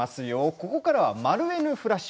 ここからは「まるＮフラッシュ」